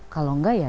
kalau enggak ya